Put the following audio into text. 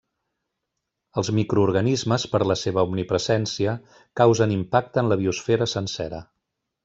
Els microorganismes, per la seva omnipresència, causen impacte en la biosfera sencera.